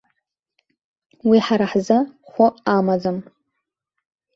Уи ҳара ҳзы хәы амаӡам.